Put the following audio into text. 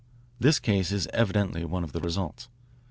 This case is evidently one of the results.